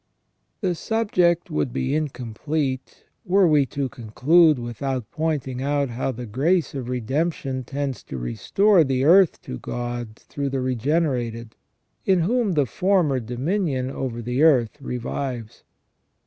* The subject would be incomplete were we to conclude without pointing out how the grace of Redemption tends to restore the earth to God through the regenerated, in whom the former dominion over the earth revives.